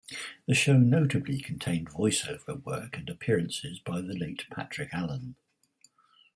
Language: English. The show notably contained voice-over work and appearances by the late Patrick Allen.